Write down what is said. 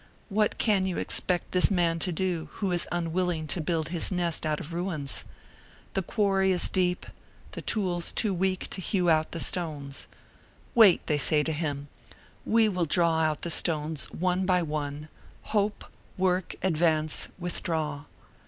What can you expect this man to do who is unwilling to build his nest out of ruins? The quarry is deep, the tools too weak to hew out the stones. "Wait!" they say to him, "we will draw out the stones one by one; hope, work, advance, withdraw."